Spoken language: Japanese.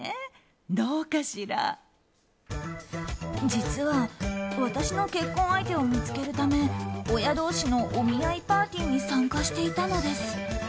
実は、私の結婚相手を見つけるため親同士のお見合いパーティーに参加していたのです。